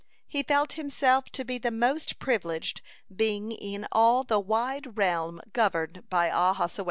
He felt himself to be the most privileged being in all the wide realm governed by Ahasuerus.